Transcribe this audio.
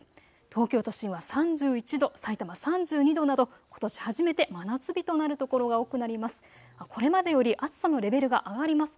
東京都心は３１度、さいたま３２度などことし初めて真夏日となる所が多くなります。